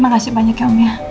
makasih banyak ya om ya